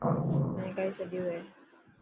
مين ڪئي ڇڏيو هي.